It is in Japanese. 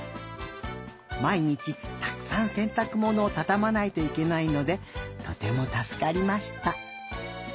まいにちたくさんせんたくものをたたまないといけないのでとてもたすかりました。